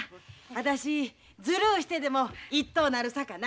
私ずるうしてでも１等なるさかな。